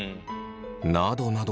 などなど